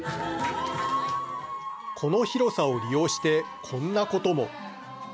この広さを利用してこんなことも。